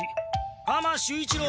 浜守一郎。